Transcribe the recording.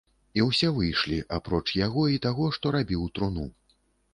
І ўсе выйшлі, апроч яго і таго, што рабіў труну.